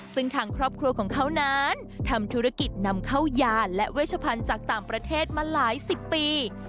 ซึ่งทางครอบครัวของเขานั้นทำธุรกิจนำเข้ายาและเวชพันธุ์จากต่างประเทศมาหลายสิบปี